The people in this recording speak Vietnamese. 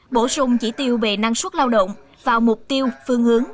bổ sung chỉ tiêu về năng suất lao động vào mục tiêu phương hướng